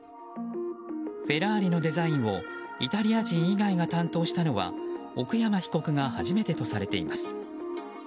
フェラーリのデザインをイタリア人以外が担当したのは奥山被告が初めてとされています。